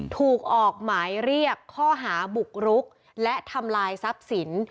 ถูกออกหมายเรียกข้อหาบุกรุกและทำลายทรัพย์สิน